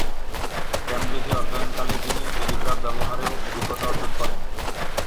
ক্যামব্রিজে অধ্যয়নকালে তিনি টেলিগ্রাফ ব্যবহারেও অভিজ্ঞতা অর্জন করেন।